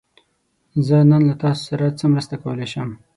زه نن له تاسو سره څه مرسته کولی شم؟